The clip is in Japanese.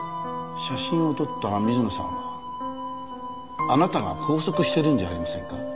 写真を撮った水野さんはあなたが拘束してるんじゃありませんか？